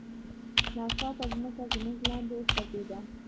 ناڅاپه ځمکه زموږ لاندې وخوزیده.